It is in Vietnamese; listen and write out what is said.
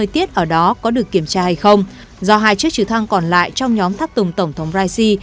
biết ở đó có được kiểm tra hay không do hai chiếc trực thăng còn lại trong nhóm thác tùng tổng thống raisi